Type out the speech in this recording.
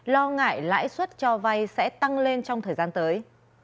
lo ngại lãi suất cho vay sẽ tăng lên trong thời gian tới